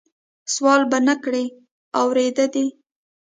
سوال به نه کړې اورېده دي